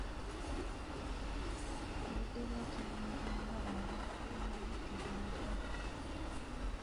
Obudde obwakiwumbyangalabi buba budde bwa njala.